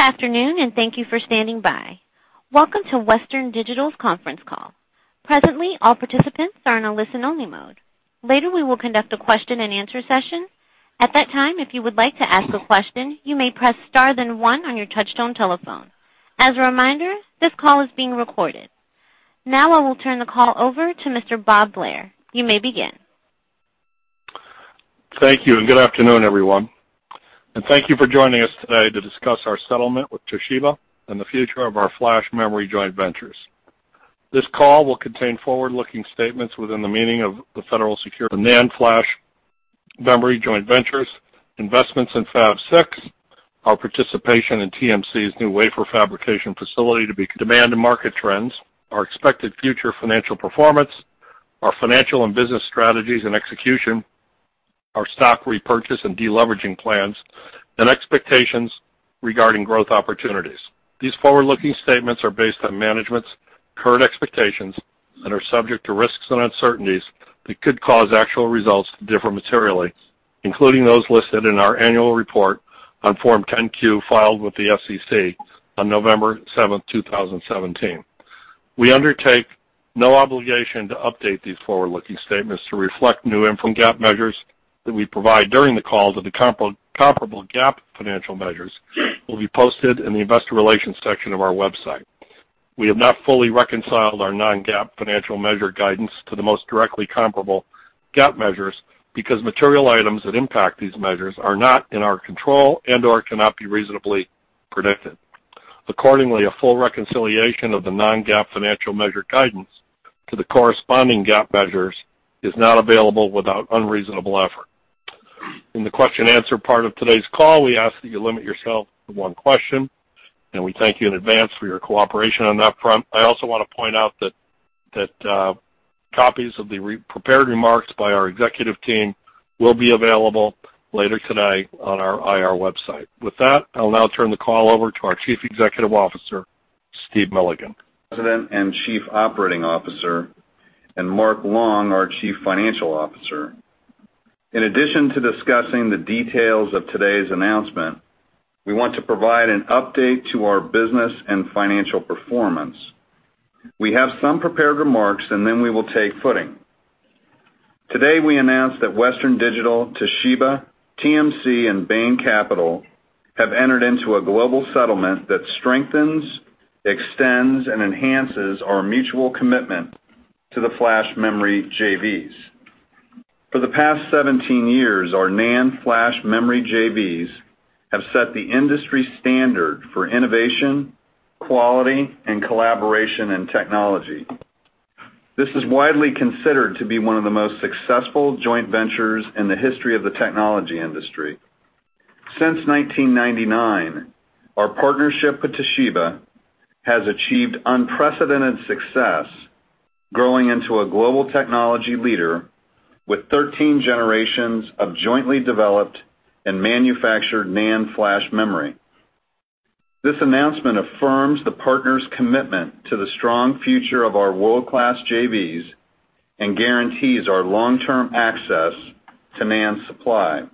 Good afternoon, thank you for standing by. Welcome to Western Digital's conference call. Presently, all participants are in a listen-only mode. Later, we will conduct a question-and-answer session. At that time, if you would like to ask a question, you may press star then one on your touchtone telephone. As a reminder, this call is being recorded. Now I will turn the call over to Mr. Bob Blair. You may begin. Thank you, good afternoon, everyone. Thank you for joining us today to discuss our settlement with Toshiba and the future of our flash memory joint ventures. This call will contain forward-looking statements within the meaning of the NAND flash memory joint ventures, investments in Fab 6, our participation in TMC's new wafer fabrication facility demand and market trends, our expected future financial performance, our financial and business strategies and execution, our stock repurchase and deleveraging plans, and expectations regarding growth opportunities. These forward-looking statements are based on management's current expectations and are subject to risks and uncertainties that could cause actual results to differ materially, including those listed in our annual report on Form 10-Q filed with the SEC on November seventh, 2017. We undertake no obligation to update these forward-looking statements to reflect non-GAAP measures that we provide during the call to the comparable GAAP financial measures will be posted in the investor relations section of our website. We have not fully reconciled our non-GAAP financial measure guidance to the most directly comparable GAAP measures because material items that impact these measures are not in our control and/or cannot be reasonably predicted. Accordingly, a full reconciliation of the non-GAAP financial measure guidance to the corresponding GAAP measures is not available without unreasonable effort. In the question-answer part of today's call, we ask that you limit yourself to one question, and we thank you in advance for your cooperation on that front. I also want to point out that copies of the prepared remarks by our executive team will be available later today on our IR website. With that, I'll now turn the call over to our Chief Executive Officer, Steve Milligan. President and Chief Operating Officer, and Mark Long, our Chief Financial Officer. In addition to discussing the details of today's announcement, we want to provide an update to our business and financial performance. We have some prepared remarks and then we will take questions. Today, we announced that Western Digital, Toshiba, TMC, and Bain Capital have entered into a global settlement that strengthens, extends, and enhances our mutual commitment to the flash memory JVs. For the past 17 years, our NAND flash memory JVs have set the industry standard for innovation, quality, and collaboration in technology. This is widely considered to be one of the most successful joint ventures in the history of the technology industry. Since 1999, our partnership with Toshiba has achieved unprecedented success, growing into a global technology leader with 13 generations of jointly developed and manufactured NAND flash memory. This announcement affirms the partners' commitment to the strong future of our world-class JVs and guarantees our long-term access to NAND supply.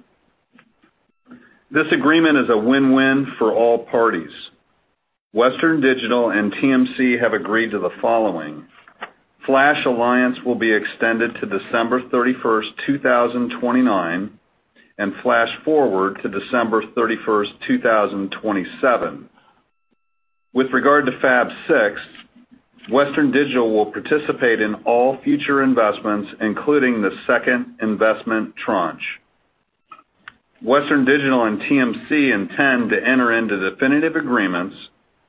This agreement is a win-win for all parties. Western Digital and TMC have agreed to the following. Flash Alliance will be extended to December 31st, 2029, and Flash Forward to December 31st, 2027. With regard to Fab 6, Western Digital will participate in all future investments, including the second investment tranche. Western Digital and TMC intend to enter into definitive agreements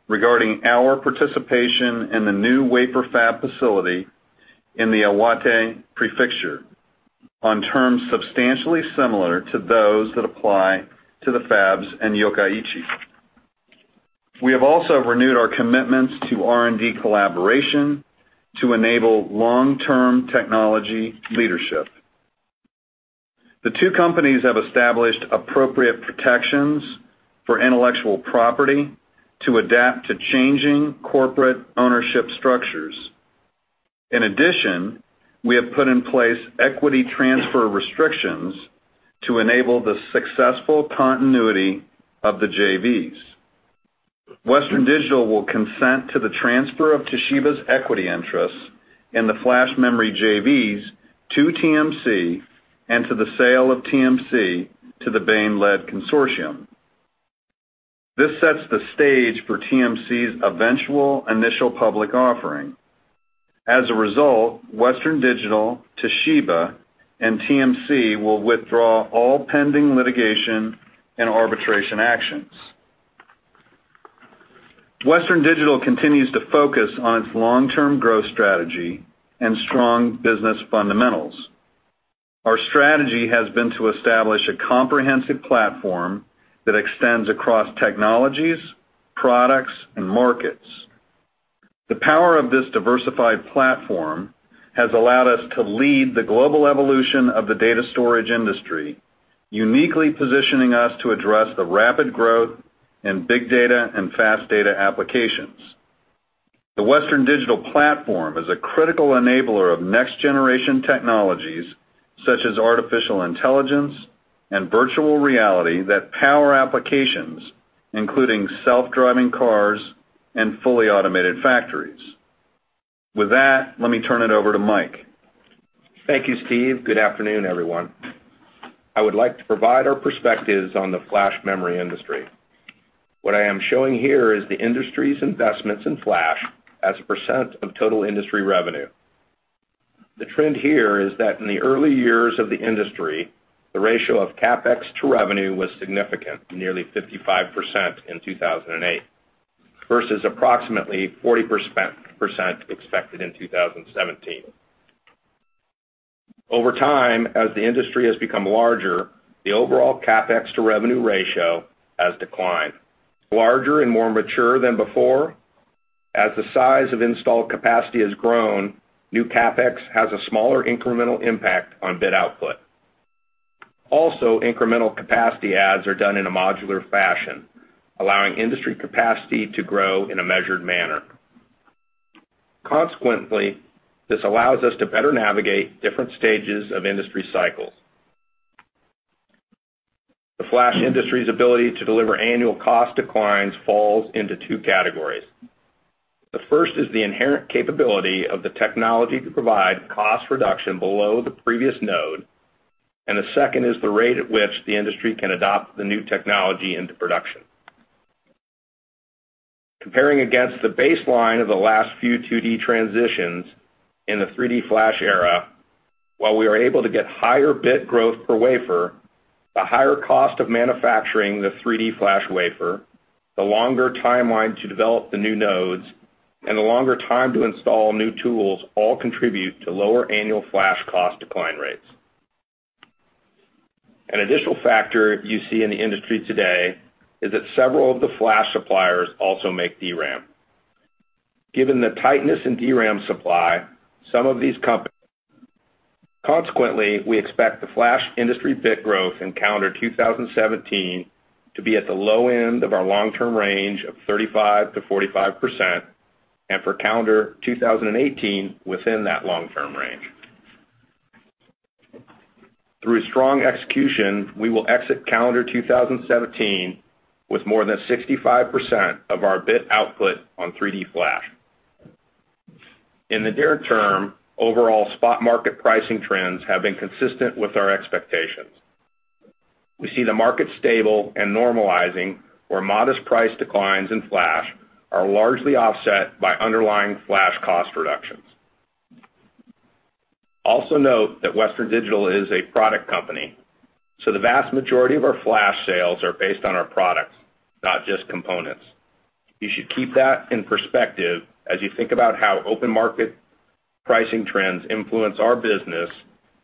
regarding our participation in the new wafer fab facility in the Iwate Prefecture on terms substantially similar to those that apply to the fabs in Yokkaichi. We have also renewed our commitments to R&D collaboration to enable long-term technology leadership. The two companies have established appropriate protections for intellectual property to adapt to changing corporate ownership structures. In addition, we have put in place equity transfer restrictions to enable the successful continuity of the JVs. Western Digital will consent to the transfer of Toshiba's equity interests in the flash memory JVs to TMC and to the sale of TMC to the Bain-led consortium. This sets the stage for TMC's eventual initial public offering. As a result, Western Digital, Toshiba, and TMC will withdraw all pending litigation and arbitration actions. Western Digital continues to focus on its long-term growth strategy and strong business fundamentals. Our strategy has been to establish a comprehensive platform that extends across technologies, products, and markets. The power of this diversified platform has allowed us to lead the global evolution of the data storage industry, uniquely positioning us to address the rapid growth in big data and fast data applications. The Western Digital platform is a critical enabler of next-generation technologies such as artificial intelligence and virtual reality that power applications, including self-driving cars and fully automated factories. With that, let me turn it over to Mike. Thank you, Steve. Good afternoon, everyone. I would like to provide our perspectives on the flash memory industry. What I am showing here is the industry's investments in flash as a percent of total industry revenue. The trend here is that in the early years of the industry, the ratio of CapEx to revenue was significant, nearly 55% in 2008 versus approximately 40% expected in 2017. Over time, as the industry has become larger, the overall CapEx to revenue ratio has declined. Larger and more mature than before. As the size of installed capacity has grown, new CapEx has a smaller incremental impact on bit output. Also, incremental capacity adds are done in a modular fashion, allowing industry capacity to grow in a measured manner. Consequently, this allows us to better navigate different stages of industry cycles. The flash industry's ability to deliver annual cost declines falls into two categories. The first is the inherent capability of the technology to provide cost reduction below the previous node, the second is the rate at which the industry can adopt the new technology into production. Comparing against the baseline of the last few 2D transitions in the 3D Flash era, while we are able to get higher bit growth per wafer, the higher cost of manufacturing the 3D Flash wafer, the longer timeline to develop the new nodes, and the longer time to install new tools all contribute to lower annual flash cost decline rates. An additional factor you see in the industry today is that several of the flash suppliers also make DRAM. Given the tightness in DRAM supply, some of these companies. Consequently, we expect the flash industry bit growth in calendar 2017 to be at the low end of our long-term range of 35%-45%, and for calendar 2018 within that long-term range. Through strong execution, we will exit calendar 2017 with more than 65% of our bit output on 3D Flash. In the near term, overall spot market pricing trends have been consistent with our expectations. We see the market stable and normalizing, where modest price declines in flash are largely offset by underlying flash cost reductions. Also note that Western Digital is a product company, the vast majority of our flash sales are based on our products, not just components. You should keep that in perspective as you think about how open market pricing trends influence our business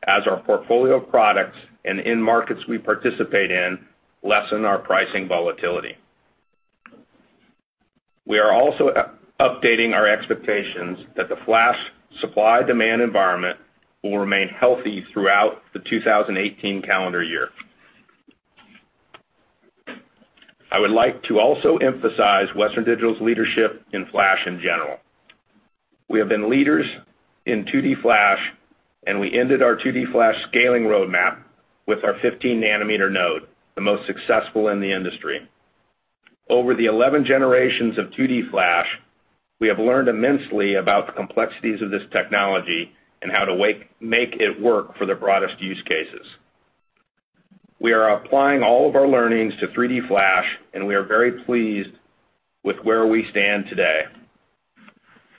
as our portfolio of products and end markets we participate in lessen our pricing volatility. We are also updating our expectations that the flash supply-demand environment will remain healthy throughout the 2018 calendar year. I would like to also emphasize Western Digital's leadership in flash in general. We have been leaders in 2D Flash, we ended our 2D Flash scaling roadmap with our 15-nanometer node, the most successful in the industry. Over the 11 generations of 2D Flash, we have learned immensely about the complexities of this technology and how to make it work for the broadest use cases. We are applying all of our learnings to 3D Flash, we are very pleased with where we stand today.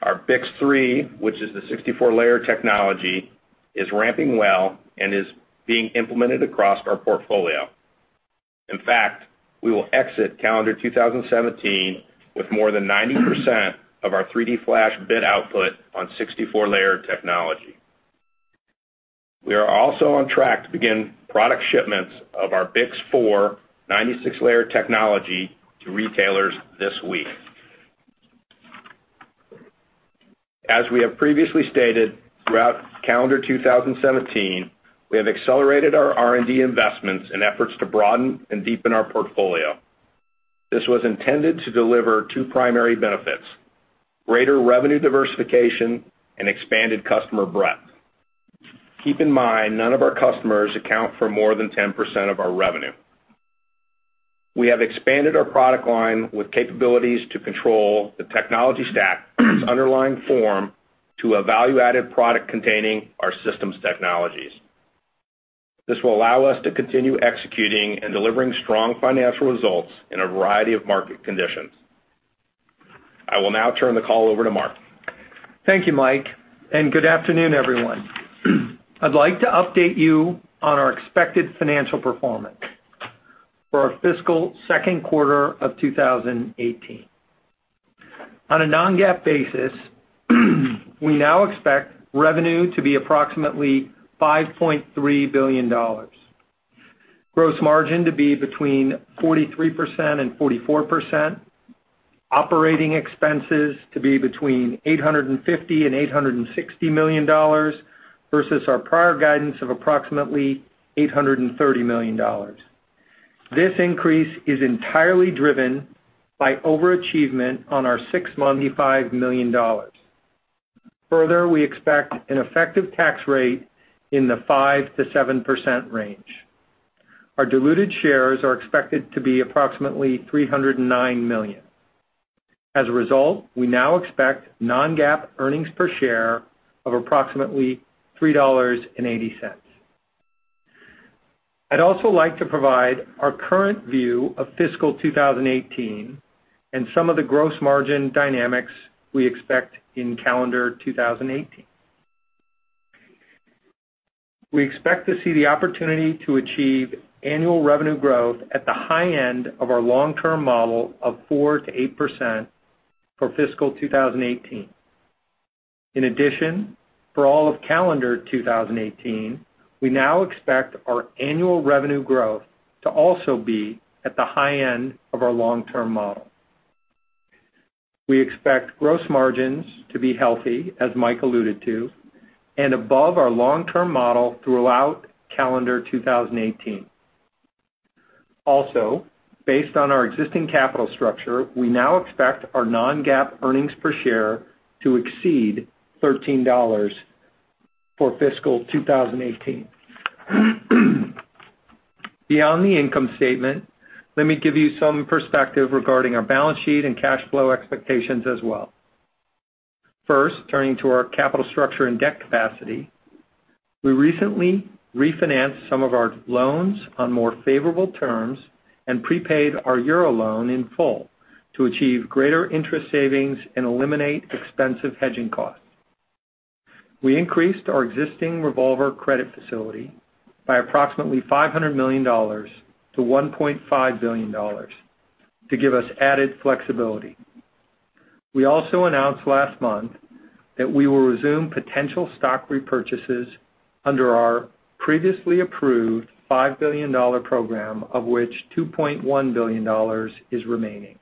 Our BiCS3, which is the 64-layer technology, is ramping well and is being implemented across our portfolio. In fact, we will exit calendar 2017 with more than 90% of our 3D Flash bit output on 64-layer technology. We are also on track to begin product shipments of our BiCS4 96-layer technology to retailers this week. As we have previously stated, throughout calendar 2017, we have accelerated our R&D investments in efforts to broaden and deepen our portfolio. This was intended to deliver two primary benefits, greater revenue diversification and expanded customer breadth. Keep in mind, none of our customers account for more than 10% of our revenue. We have expanded our product line with capabilities to control the technology stack's underlying form to a value-added product containing our systems technologies. This will allow us to continue executing and delivering strong financial results in a variety of market conditions. I will now turn the call over to Mark. Thank you, Mike, and good afternoon, everyone. I'd like to update you on our expected financial performance for our fiscal second quarter of 2018. On a non-GAAP basis, we now expect revenue to be approximately $5.3 billion, gross margin to be between 43% and 44%, operating expenses to be between $850 and $860 million versus our prior guidance of approximately $830 million. This increase is entirely driven by overachievement on our six monthly $5 million. Further, we expect an effective tax rate in the 5% to 7% range. Our diluted shares are expected to be approximately 309 million. As a result, we now expect non-GAAP earnings per share of approximately $3.80. I'd also like to provide our current view of fiscal 2018 and some of the gross margin dynamics we expect in calendar 2018. We expect to see the opportunity to achieve annual revenue growth at the high end of our long-term model of 4% to 8% for fiscal 2018. For all of calendar 2018, we now expect our annual revenue growth to also be at the high end of our long-term model. We expect gross margins to be healthy, as Mike alluded to, and above our long-term model throughout calendar 2018. Based on our existing capital structure, we now expect our non-GAAP earnings per share to exceed $13 for fiscal 2018. Beyond the income statement, let me give you some perspective regarding our balance sheet and cash flow expectations as well. First, turning to our capital structure and debt capacity, we recently refinanced some of our loans on more favorable terms and prepaid our euro loan in full to achieve greater interest savings and eliminate expensive hedging costs. We increased our existing revolver credit facility by approximately $500 million to $1.5 billion to give us added flexibility. We also announced last month that we will resume potential stock repurchases under our previously approved $5 billion program, of which $2.1 billion is remaining,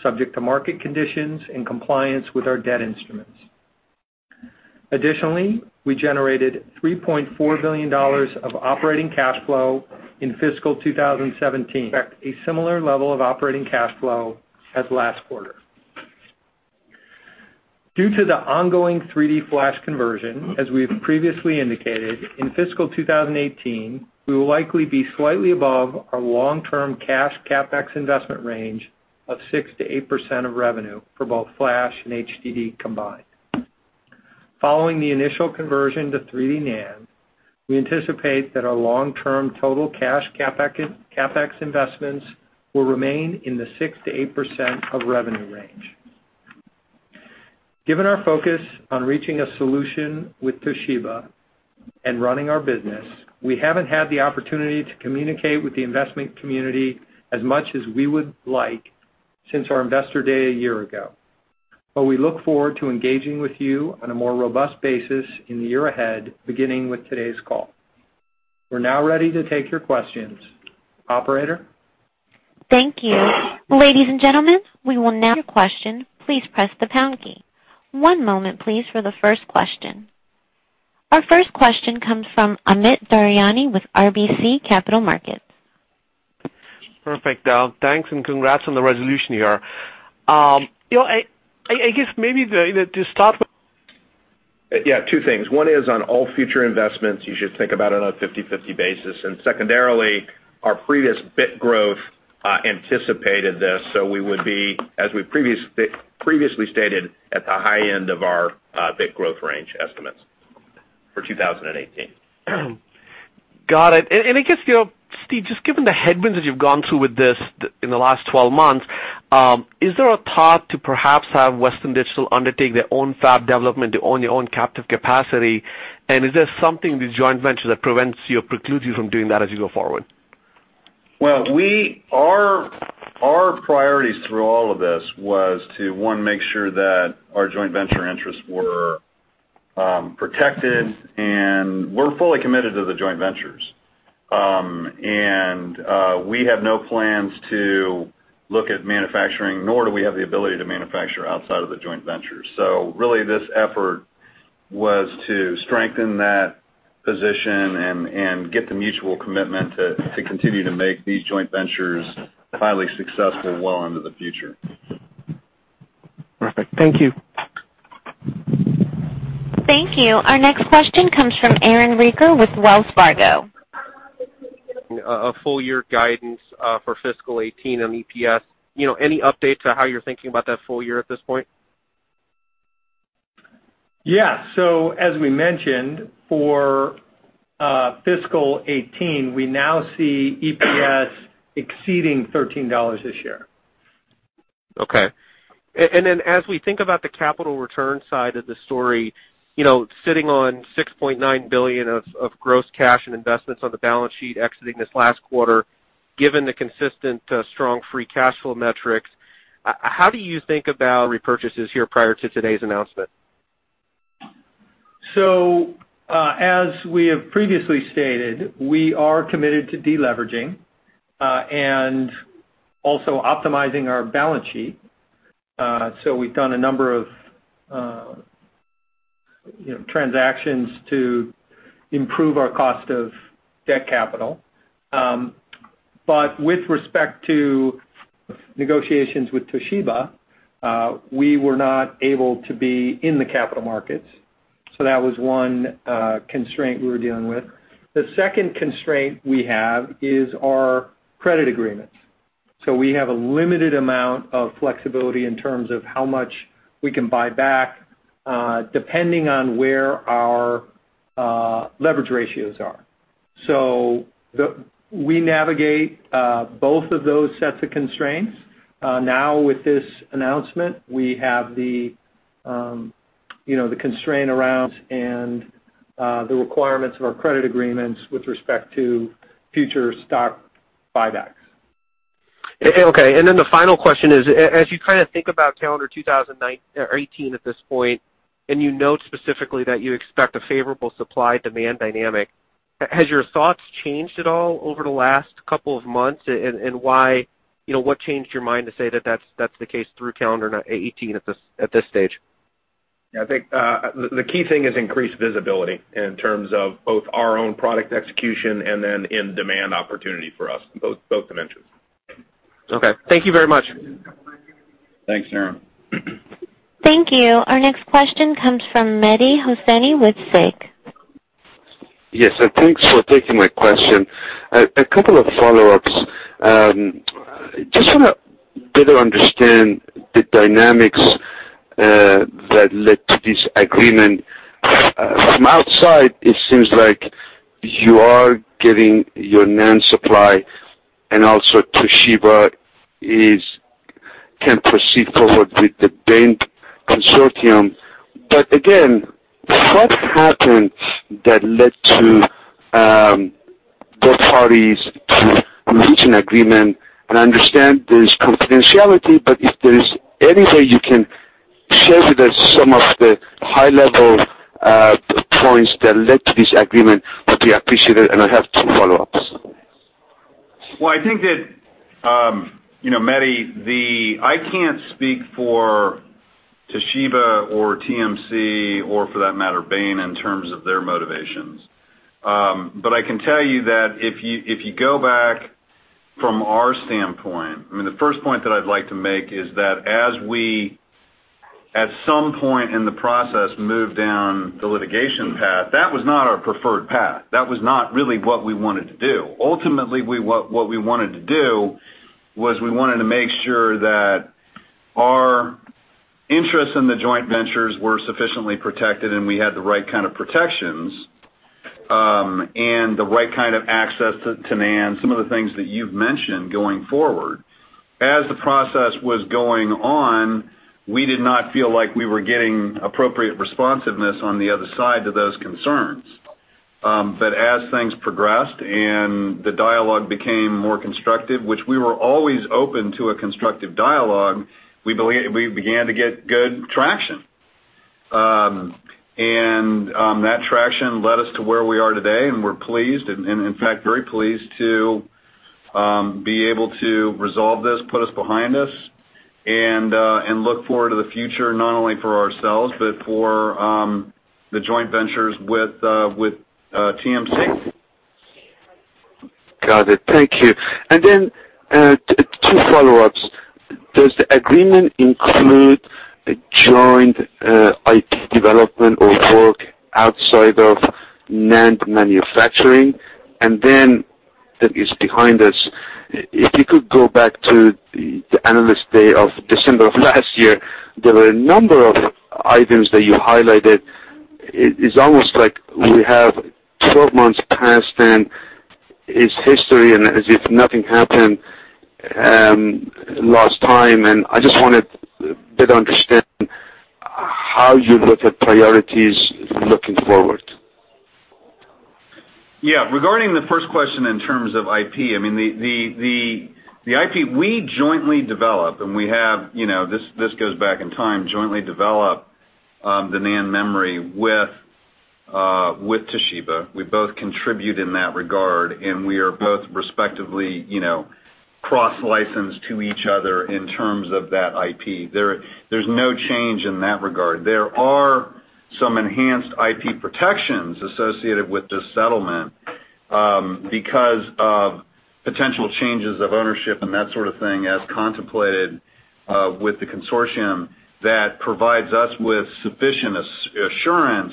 subject to market conditions and compliance with our debt instruments. We generated $3.4 billion of operating cash flow in fiscal 2017. Expect a similar level of operating cash flow as last quarter. Due to the ongoing 3D Flash conversion, as we have previously indicated, in fiscal 2018, we will likely be slightly above our long-term cash CapEx investment range of 6%-8% of revenue for both Flash and HDD combined. Following the initial conversion to 3D NAND, we anticipate that our long-term total cash CapEx investments will remain in the 6%-8% of revenue range. Given our focus on reaching a solution with Toshiba and running our business, we haven't had the opportunity to communicate with the investment community as much as we would like since our investor day a year ago. We look forward to engaging with you on a more robust basis in the year ahead, beginning with today's call. We're now ready to take your questions. Operator? Thank you. Ladies and gentlemen, we will now Your question, please press the pound key. One moment, please, for the first question. Our first question comes from Amit Daryanani with RBC Capital Markets. Perfect. Thanks, congrats on the resolution here. I guess maybe to start with- Yeah, two things. One is on all future investments, you should think about it on a 50/50 basis. Secondarily, our previous bit growth anticipated this, so we would be, as we previously stated, at the high end of our bit growth range estimates for 2018. Got it. I guess, Steve, just given the headwinds that you've gone through with this in the last 12 months, is there a thought to perhaps have Western Digital undertake their own fab development to own your own captive capacity? Is there something in the joint venture that prevents you or precludes you from doing that as you go forward? Well, our priorities through all of this was to, one, make sure that our joint venture interests were protected, and we're fully committed to the joint ventures. We have no plans to look at manufacturing, nor do we have the ability to manufacture outside of the joint ventures. Really, this effort was to strengthen that position and get the mutual commitment to continue to make these joint ventures highly successful well into the future. Perfect. Thank you. Thank you. Our next question comes from Aaron Rakers with Wells Fargo. A full year guidance for fiscal 2018 on EPS. Any update to how you're thinking about that full year at this point? Yeah. As we mentioned, for fiscal 2018, we now see EPS exceeding $13 a share. Okay. As we think about the capital return side of the story, sitting on $6.9 billion of gross cash and investments on the balance sheet exiting this last quarter, given the consistent strong free cash flow metrics, how do you think about repurchases here prior to today's announcement? As we have previously stated, we are committed to de-leveraging, and also optimizing our balance sheet. We've done a number of transactions to improve our cost of debt capital. With respect to negotiations with Toshiba, we were not able to be in the capital markets, that was one constraint we were dealing with. The second constraint we have is our credit agreements. We have a limited amount of flexibility in terms of how much we can buy back, depending on where our leverage ratios are. We navigate both of those sets of constraints. With this announcement, we have the constraint around and the requirements of our credit agreements with respect to future stock buybacks. Okay. The final question is, as you think about calendar 2018 at this point, you note specifically that you expect a favorable supply-demand dynamic, has your thoughts changed at all over the last couple of months? What changed your mind to say that that's the case through calendar 2018 at this stage? Yeah. I think the key thing is increased visibility in terms of both our own product execution and then in demand opportunity for us, both dimensions. Okay. Thank you very much. Thanks, Aaron. Thank you. Our next question comes from Mehdi Hosseini with SIG. Yes. Thanks for taking my question. A couple of follow-ups. Just want to better understand the dynamics that led to this agreement. From outside, it seems like you are getting your NAND supply and also Toshiba can proceed forward with the Bain consortium. Again, what happened that led to both parties to reach an agreement? I understand there's confidentiality, but if there is any way you can share with us some of the high-level points that led to this agreement, would be appreciated. I have two follow-ups. Well, I think that, Mehdi, I can't speak for Toshiba or TMC or for that matter, Bain, in terms of their motivations. I can tell you that if you go back from our standpoint, the first point that I'd like to make is that as we, at some point in the process, moved down the litigation path, that was not our preferred path. That was not really what we wanted to do. Ultimately, what we wanted to do was we wanted to make sure that our interests in the joint ventures were sufficiently protected, and we had the right kind of protections, and the right kind of access to NAND, some of the things that you've mentioned going forward. As the process was going on, we did not feel like we were getting appropriate responsiveness on the other side to those concerns. As things progressed and the dialogue became more constructive, which we were always open to a constructive dialogue, we began to get good traction. That traction led us to where we are today, and we're pleased, and in fact, very pleased to be able to resolve this, put this behind us, and look forward to the future, not only for ourselves but for the joint ventures with TMC. Got it. Thank you. Two follow-ups. Does the agreement include a joint IP development or work outside of NAND manufacturing? That is behind us. If you could go back to the Analyst Day of December of last year, there were a number of items that you highlighted. It's almost like we have 12 months passed, and it's history and as if nothing happened last time, and I just want to better understand how you look at priorities looking forward. Yeah. Regarding the first question in terms of IP, the IP we jointly develop, and we have, this goes back in time, jointly developed the NAND memory with Toshiba. We both contribute in that regard, and we are both respectively cross-licensed to each other in terms of that IP. There's no change in that regard. There are some enhanced IP protections associated with this settlement because of potential changes of ownership and that sort of thing, as contemplated with the consortium that provides us with sufficient assurance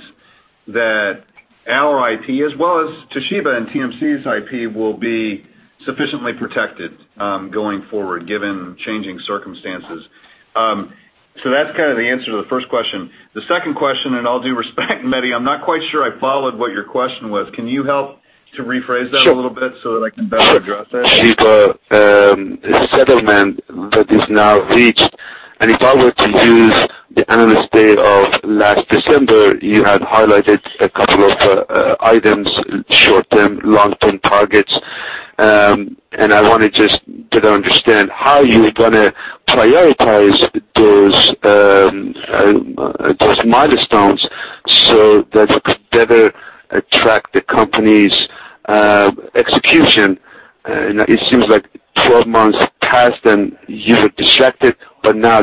that our IP, as well as Toshiba and TMC's IP, will be sufficiently protected going forward, given changing circumstances. That's the answer to the first question. The second question, in all due respect, Mehdi, I'm not quite sure I followed what your question was. Can you help to rephrase that a little bit so that I can better address it? Sure. Toshiba settlement that is now reached. If I were to use the Analyst Day of last December, you had highlighted a couple of items, short-term, long-term targets. I want to just better understand how you're going to prioritize those milestones so that better track the company's execution. It seems like 12 months passed, you were distracted, but now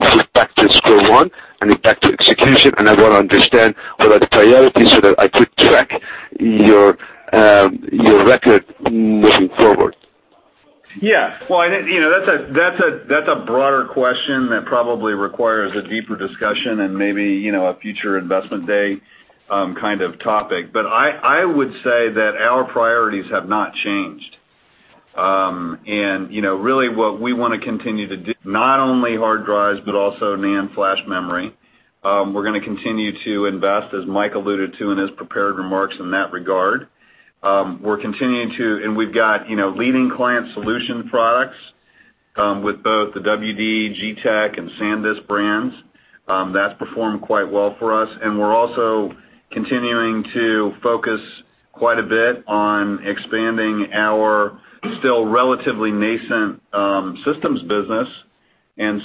it's back to square one, back to execution, I want to understand what are the priorities, so that I could track your record moving forward. Yeah. Well, that's a broader question that probably requires a deeper discussion and maybe a future investment day kind of topic. I would say that our priorities have not changed. Really what we want to continue to do, not only hard drives but also NAND flash memory. We're going to continue to invest, as Mike alluded to in his prepared remarks in that regard. We've got leading client solution products, with both the WD, G-Technology, and SanDisk brands. That's performed quite well for us. We're also continuing to focus quite a bit on expanding our still relatively nascent systems business.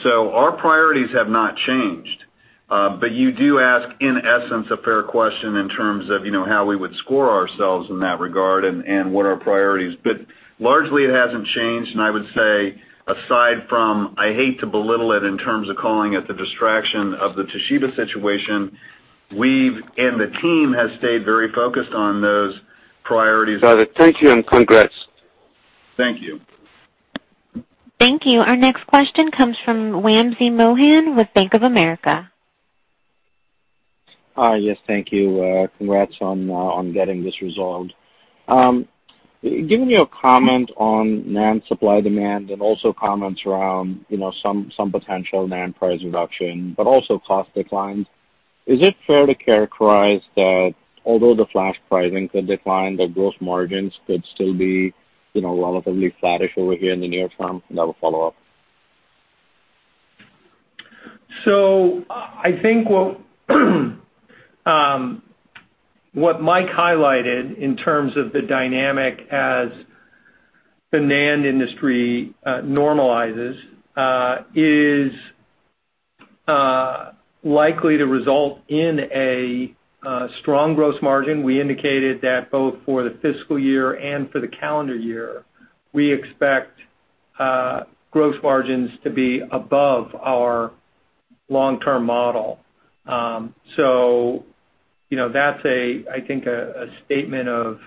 So our priorities have not changed. You do ask, in essence, a fair question in terms of how we would score ourselves in that regard and what our priorities. Largely it hasn't changed, and I would say aside from, I hate to belittle it in terms of calling it the distraction of the Toshiba situation, the team has stayed very focused on those priorities. Got it. Thank you, and congrats. Thank you. Thank you. Our next question comes from Wamsi Mohan with Bank of America. Hi, yes, thank you. Congrats on getting this resolved. Given your comment on NAND supply demand and also comments around some potential NAND price reduction, but also cost declines, is it fair to characterize that although the flash pricing could decline, the gross margins could still be relatively flattish over here in the near term? I will follow up. I think what Mike highlighted in terms of the dynamic as the NAND industry normalizes, is likely to result in a strong gross margin. We indicated that both for the fiscal year and for the calendar year, we expect gross margins to be above our long-term model. That's, I think, a statement of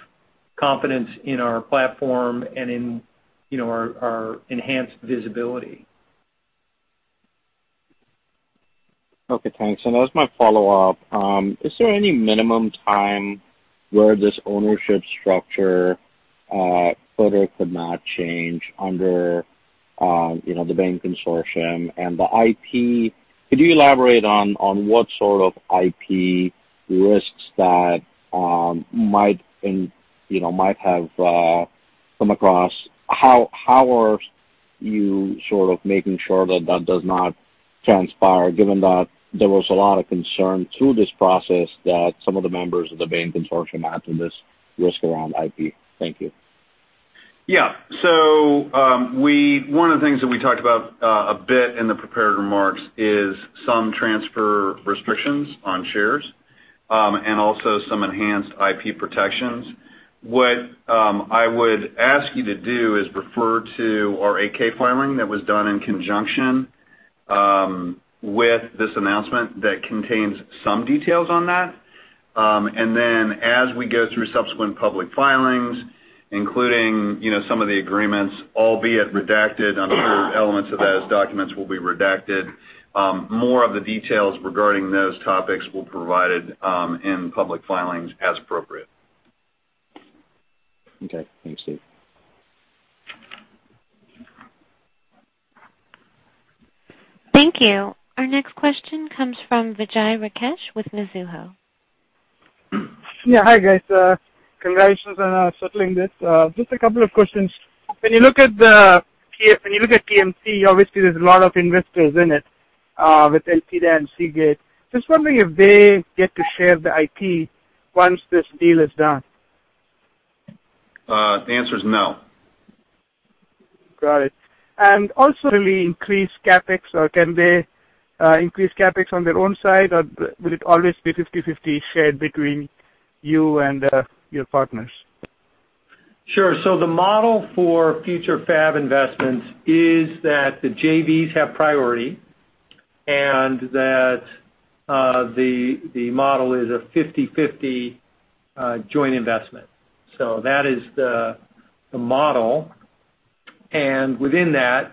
confidence in our platform and in our enhanced visibility. Okay, thanks. That was my follow-up. Is there any minimum time where this ownership structure further could not change under the bank consortium and the IP? Could you elaborate on what sort of IP risks that might have come across? How are you sort of making sure that that does not transpire, given that there was a lot of concern through this process that some of the members of the bank consortium had this risk around IP? Thank you. Yeah. One of the things that we talked about a bit in the prepared remarks is some transfer restrictions on shares, and also some enhanced IP protections. What I would ask you to do is refer to our 8-K filing that was done in conjunction with this announcement that contains some details on that. As we go through subsequent public filings, including some of the agreements, albeit redacted on the core elements of that, as documents will be redacted, more of the details regarding those topics we'll provide in public filings as appropriate. Okay. Thanks, Steve. Thank you. Our next question comes from Vijay Rakesh with Mizuho. Yeah. Hi, guys. Congratulations on settling this. Just a couple of questions. When you look at TMC, obviously there's a lot of investors in it, with [inaudible] Seagate. Just wondering if they get to share the IP once this deal is done. The answer is no. Got it. Also will they increase CapEx, or can they increase CapEx on their own side, or will it always be 50/50 shared between you and your partners? Sure. The model for future fab investments is that the JVs have priority and that the model is a 50/50 joint investment. That is the model. Within that,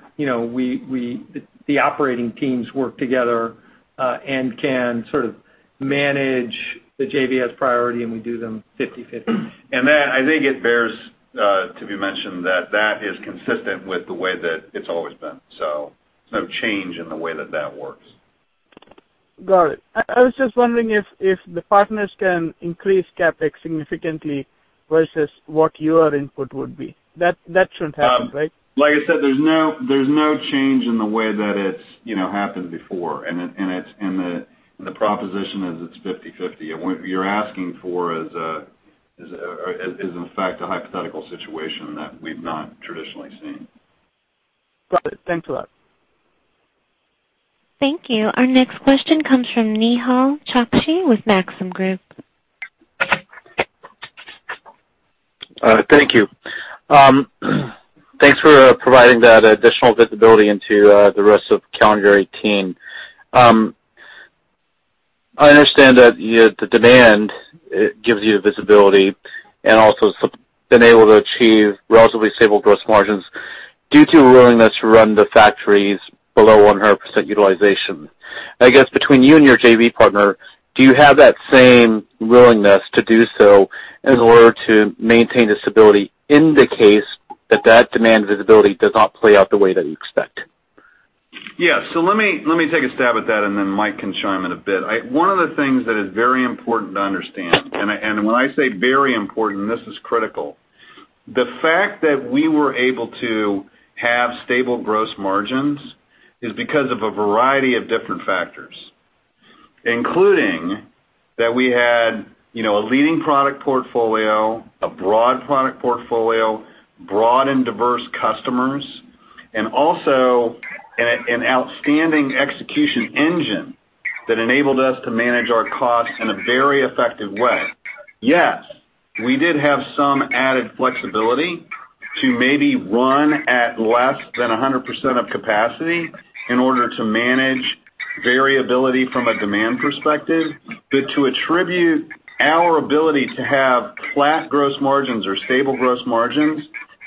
the operating teams work together, and can sort of manage the JVs priority, and we do them 50/50. I think it bears to be mentioned that that is consistent with the way that it's always been. No change in the way that that works. Got it. I was just wondering if the partners can increase CapEx significantly versus what your input would be. That shouldn't happen, right? Like I said, there's no change in the way that it's happened before, and the proposition is it's 50/50. What you're asking for is in fact a hypothetical situation that we've not traditionally seen. Got it. Thanks a lot. Thank you. Our next question comes from Nehal Chokshi with Maxim Group. Thank you. Thanks for providing that additional visibility into the rest of calendar 2018. I understand that the demand gives you the visibility and also been able to achieve relatively stable gross margins due to a willingness to run the factories below 100% utilization. I guess between you and your JV partner, do you have that same willingness to do so in order to maintain this ability in the case that demand visibility does not play out the way that you expect? Yeah. Let me take a stab at that. Mike can chime in a bit. One of the things that is very important to understand. When I say very important, this is critical. The fact that we were able to have stable gross margins is because of a variety of different factors, including that we had a leading product portfolio, a broad product portfolio, broad and diverse customers. Also an outstanding execution engine that enabled us to manage our costs in a very effective way. Yes, we did have some added flexibility to maybe run at less than 100% of capacity in order to manage variability from a demand perspective. To attribute our ability to have flat gross margins or stable gross margins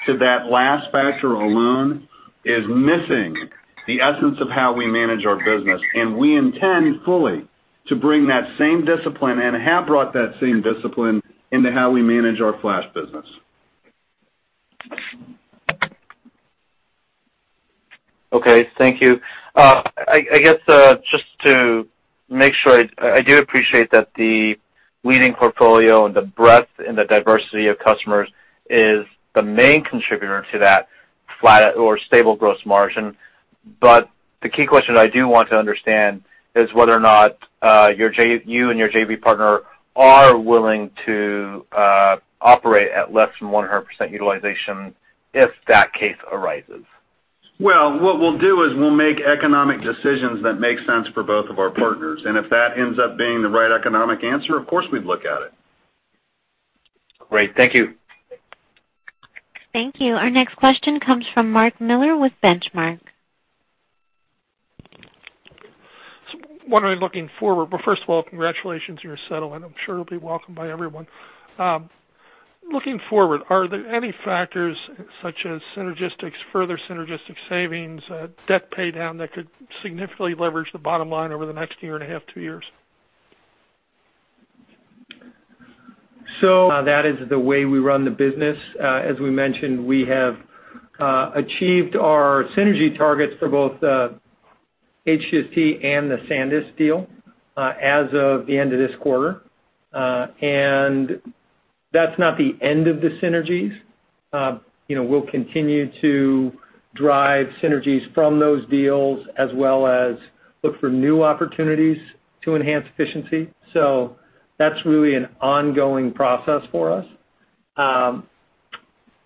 to that last factor alone is missing the essence of how we manage our business. We intend fully to bring that same discipline and have brought that same discipline into how we manage our flash business. Okay. Thank you. I guess, just to make sure, I do appreciate that the leading portfolio and the breadth and the diversity of customers is the main contributor to that flat or stable gross margin. The key question I do want to understand is whether or not you and your JV partner are willing to operate at less than 100% utilization if that case arises. Well, what we'll do is we'll make economic decisions that make sense for both of our partners. If that ends up being the right economic answer, of course, we'd look at it. Great. Thank you. Thank you. Our next question comes from Mark Miller with Benchmark. First of all, congratulations on your settlement. I'm sure it'll be welcomed by everyone. Looking forward, are there any factors such as further synergistic savings, debt paydown that could significantly leverage the bottom line over the next year and a half, two years? That is the way we run the business. As we mentioned, we have achieved our synergy targets for both the HGST and the SanDisk deal, as of the end of this quarter. That's not the end of the synergies. We'll continue to drive synergies from those deals as well as look for new opportunities to enhance efficiency. That's really an ongoing process for us.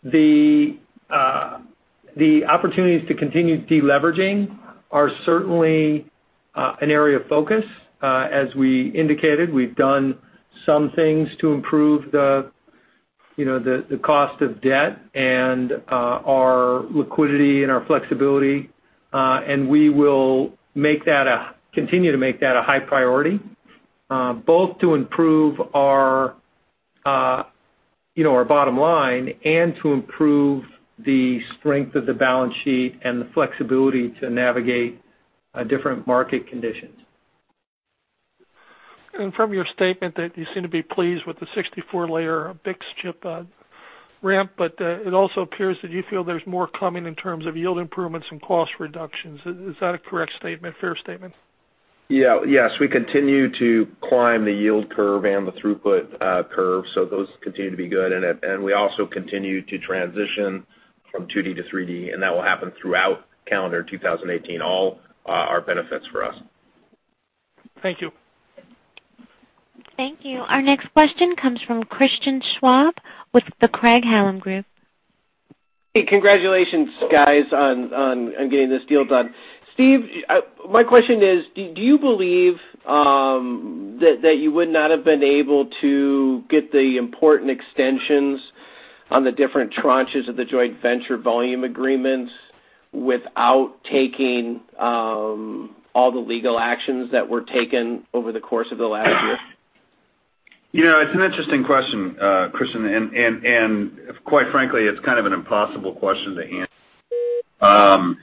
The opportunities to continue deleveraging are certainly an area of focus. As we indicated, we've done some things to improve the cost of debt and our liquidity and our flexibility. We will continue to make that a high priority, both to improve our bottom line and to improve the strength of the balance sheet and the flexibility to navigate different market conditions. From your statement that you seem to be pleased with the 64-layer BiCS chip ramp, it also appears that you feel there's more coming in terms of yield improvements and cost reductions. Is that a correct statement, fair statement? Yes, we continue to climb the yield curve and the throughput curve, so those continue to be good. We also continue to transition from 2D to 3D, and that will happen throughout calendar 2018, all are benefits for us. Thank you. Thank you. Our next question comes from Christian Schwab with the Craig-Hallum Group. Hey, congratulations guys on getting this deal done. Steve, my question is, do you believe that you would not have been able to get the important extensions on the different tranches of the joint venture volume agreements without taking all the legal actions that were taken over the course of the last year? It's an interesting question, Christian. Quite frankly, it's kind of an impossible question to answer.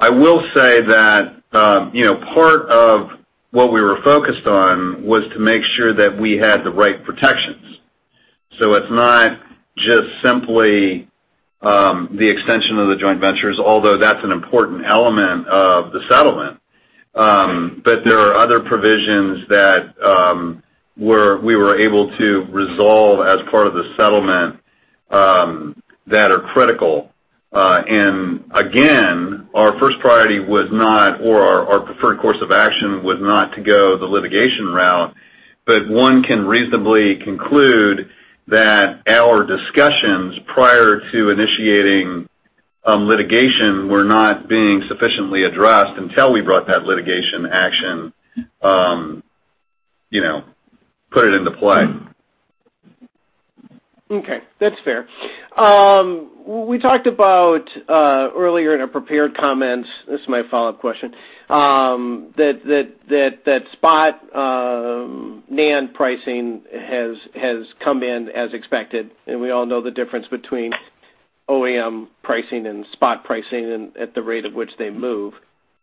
I will say that part of what we were focused on was to make sure that we had the right protections. It's not just simply the extension of the joint ventures, although that's an important element of the settlement. There are other provisions that we were able to resolve as part of the settlement that are critical. Again, our first priority was not, or our preferred course of action was not to go the litigation route. One can reasonably conclude that our discussions prior to initiating litigation were not being sufficiently addressed until we brought that litigation action, put it into play. Okay. That's fair. We talked about, earlier in our prepared comments, this is my follow-up question, that spot NAND pricing has come in as expected, and we all know the difference between OEM pricing and spot pricing, and at the rate at which they move.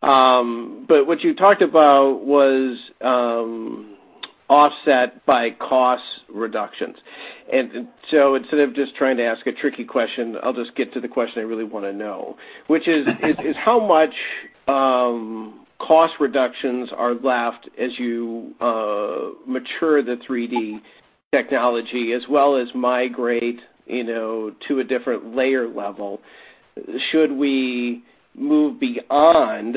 What you talked about was offset by cost reductions. Instead of just trying to ask a tricky question, I'll just get to the question I really want to know, which is how much cost reductions are left as you mature the 3D technology as well as migrate to a different layer level? Should we move beyond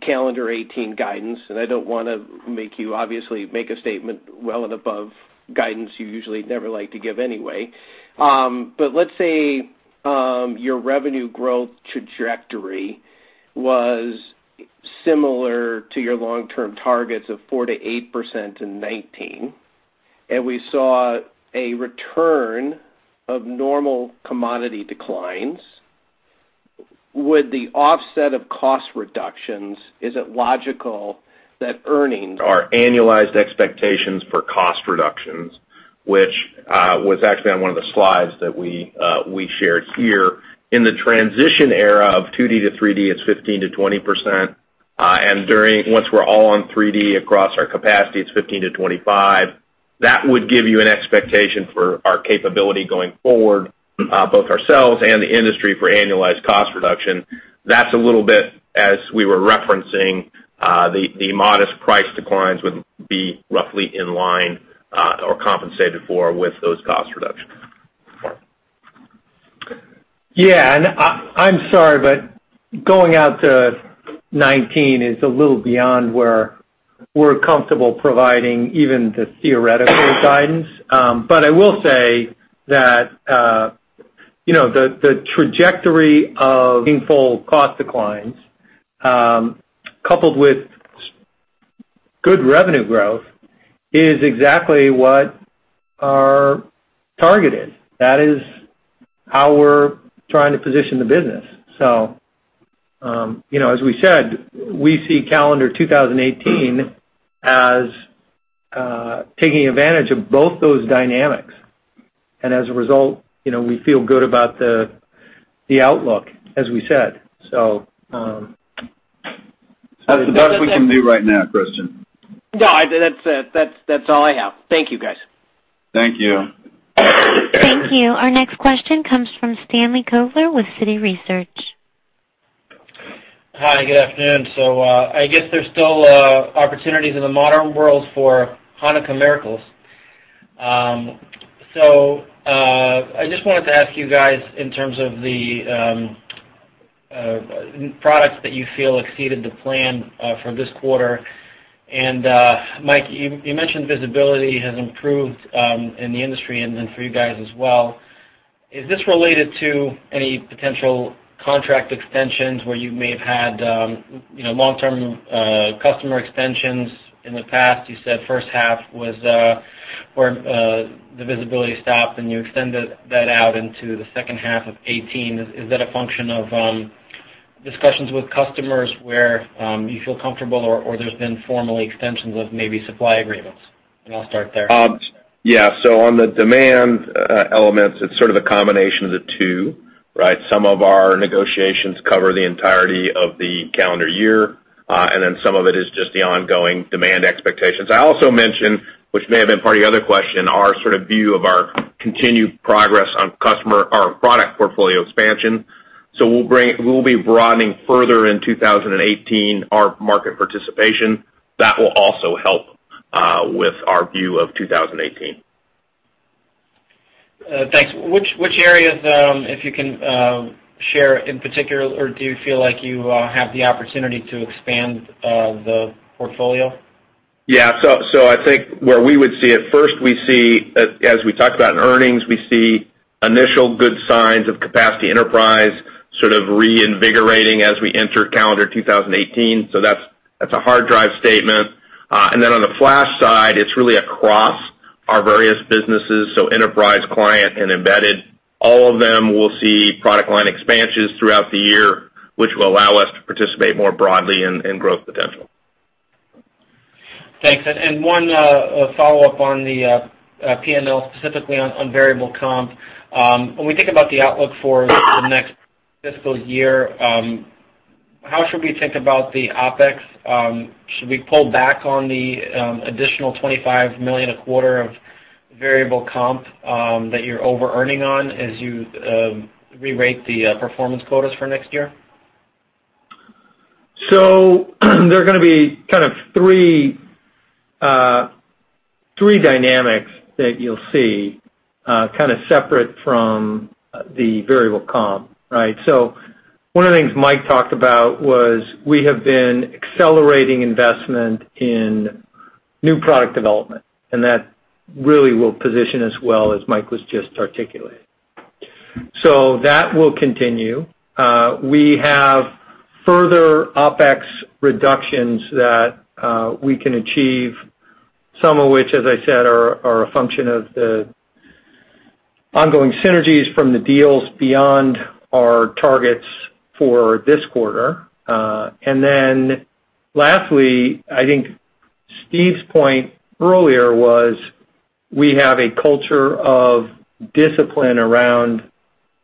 calendar 2018 guidance? I don't want to make you, obviously, make a statement well and above guidance you usually never like to give anyway. Let's say your revenue growth trajectory was similar to your long-term targets of 4%-8% in 2019, and we saw a return of normal commodity declines. With the offset of cost reductions, is it logical that earnings- Our annualized expectations for cost reductions, which was actually on one of the slides that we shared here. In the transition era of 2D to 3D, it's 15%-20%. Once we're all on 3D across our capacity, it's 15%-25%. That would give you an expectation for our capability going forward, both ourselves and the industry, for annualized cost reduction. That's a little bit, as we were referencing, the modest price declines would be roughly in line or compensated for with those cost reductions. I'm sorry, going out to 2019 is a little beyond where we're comfortable providing even the theoretical guidance. I will say that the trajectory of meaningful cost declines, coupled with good revenue growth, is exactly what our target is. That is how we're trying to position the business. As we said, we see calendar 2018 as taking advantage of both those dynamics. As a result, we feel good about the outlook, as we said. That's the best we can do right now, Christian. That's it. That's all I have. Thank you, guys. Thank you. Thank you. Our next question comes from Stan Kovler with Citi Research. Hi, good afternoon. I guess there's still opportunities in the modern world for Hanukkah miracles. I just wanted to ask you guys in terms of the products that you feel exceeded the plan for this quarter. Mike, you mentioned visibility has improved in the industry, and then for you guys as well. Is this related to any potential contract extensions where you may have had long-term customer extensions in the past? You said first half was where the visibility stopped, and you extended that out into the second half of 2018. Is that a function of discussions with customers where you feel comfortable or there's been formal extensions of maybe supply agreements? I'll start there. Yeah. On the demand elements, it's sort of a combination of the two, right? Some of our negotiations cover the entirety of the calendar year, and then some of it is just the ongoing demand expectations. I also mentioned, which may have been part of your other question, our sort of view of our continued progress on product portfolio expansion. We'll be broadening further in 2018 our market participation. That will also help with our view of 2018. Thanks. Which areas if you can share in particular, or do you feel like you have the opportunity to expand the portfolio? I think where we would see it, first we see, as we talked about in earnings, initial good signs of capacity enterprise sort of reinvigorating as we enter calendar 2018. That's a hard drive statement. On the flash side, it's really across our various businesses, so enterprise, client, and embedded. All of them will see product line expansions throughout the year, which will allow us to participate more broadly in growth potential. Thanks. One follow-up on the P&L, specifically on variable comp. When we think about the outlook for the next fiscal year, how should we think about the OpEx? Should we pull back on the additional $25 million a quarter of variable comp that you're over-earning on as you re-rate the performance quotas for next year? There are going to be kind of three dynamics that you'll see separate from the variable comp, right? One of the things Mike talked about was we have been accelerating investment in new product development, and that really will position us well, as Mike was just articulating. That will continue. We have further OpEx reductions that we can achieve, some of which, as I said, are a function of the ongoing synergies from the deals beyond our targets for this quarter. Lastly, I think Steve's point earlier was we have a culture of discipline around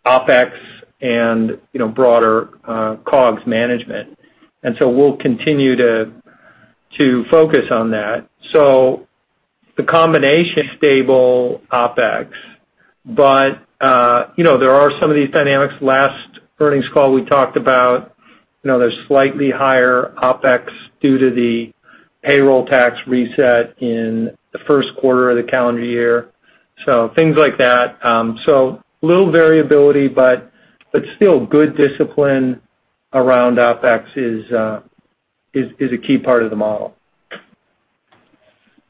OpEx and broader COGS management. We'll continue to focus on that. The combination stable OpEx, but there are some of these dynamics. Last earnings call, we talked about there's slightly higher OpEx due to the payroll tax reset in the first quarter of the calendar year. Things like that. A little variability, but still good discipline around OpEx is a key part of the model.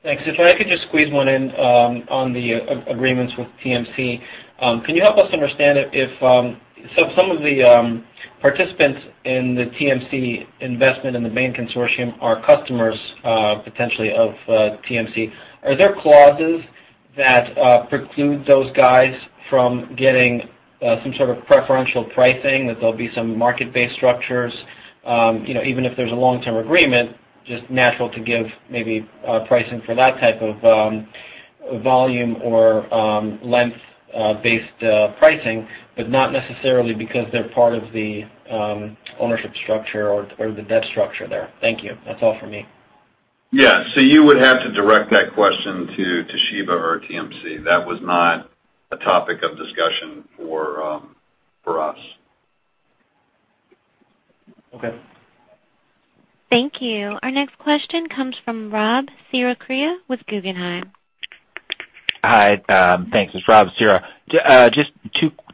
Thanks. If I could just squeeze one in on the agreements with TMC. Can you help us understand if some of the participants in the TMC investment in the Bain consortium are customers potentially of TMC. Are there clauses that preclude those guys from getting some sort of preferential pricing, that there'll be some market-based structures even if there's a long-term agreement, just natural to give maybe pricing for that type of volume or length-based pricing, but not necessarily because they're part of the ownership structure or the debt structure there? Thank you. That's all for me. Yeah. You would have to direct that question to Toshiba or TMC. That was not a topic of discussion for us. Okay. Thank you. Our next question comes from Rob Cihra with Guggenheim. Hi. Thanks. It's Rob Cihra. Just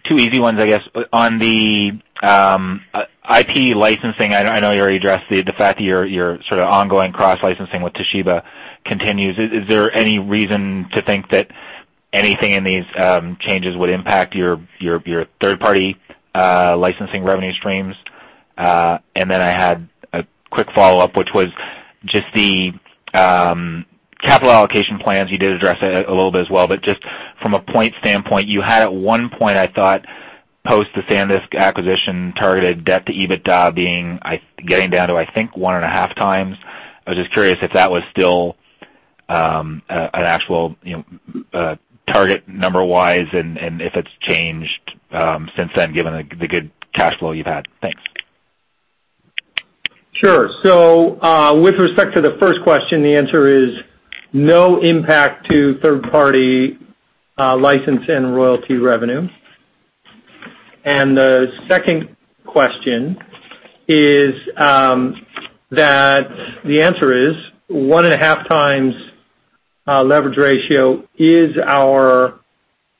two easy ones, I guess. On the IP licensing, I know you already addressed the fact that your sort of ongoing cross-licensing with Toshiba continues. Is there any reason to think that anything in these changes would impact your third-party licensing revenue streams? I had a quick follow-up, which was just the capital allocation plans. You did address it a little bit as well, but just from a point standpoint, you had at one point, I thought, post the SanDisk acquisition, targeted debt to EBITDA getting down to, I think, one and a half times. I was just curious if that was still an actual target number-wise, and if it's changed since then, given the good cash flow you've had. Thanks. With respect to the first question, the answer is no impact to third-party license and royalty revenue. The second question is that the answer is one-and-a-half times leverage ratio is our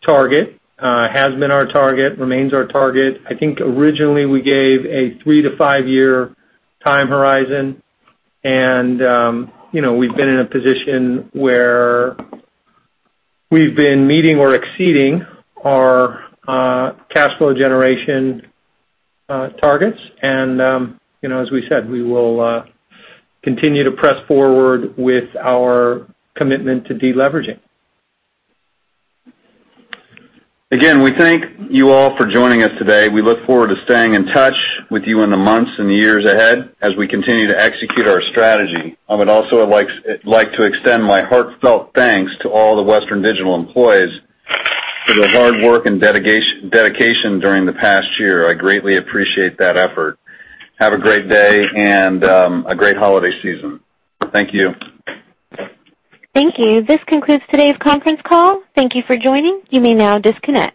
target, has been our target, remains our target. I think originally we gave a three-to-five-year time horizon, and we've been in a position where we've been meeting or exceeding our cash flow generation targets. As we said, we will continue to press forward with our commitment to deleveraging. Again, we thank you all for joining us today. We look forward to staying in touch with you in the months and years ahead as we continue to execute our strategy. I would also like to extend my heartfelt thanks to all the Western Digital employees for their hard work and dedication during the past year. I greatly appreciate that effort. Have a great day and a great holiday season. Thank you. Thank you. This concludes today's conference call. Thank you for joining. You may now disconnect.